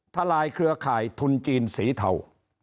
ลายเครือข่ายทุนจีนสีเทา